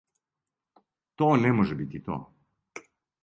То не може бити то.